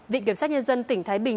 viện kiểm soát nhân dân tỉnh thái bình